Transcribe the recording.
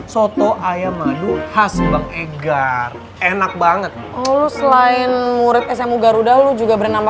soto ayam madu khas bang egar enak banget lo selain murid smu garuda lu juga bernama